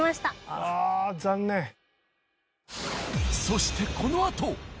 そしてこのあと。